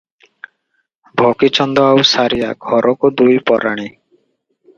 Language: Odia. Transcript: ଭଗିଚନ୍ଦ ଆଉ ସାରିଆ, ଘରକୁ ଦୁଇ ପରାଣୀ ।